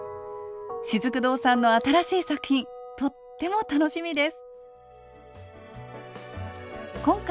しずく堂さんの新しい作品とっても楽しみです。